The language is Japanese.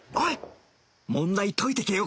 問題解いてけよ！